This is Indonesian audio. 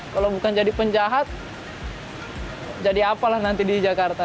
kalau bukan jadi penjahat jadi apalah nanti di jakarta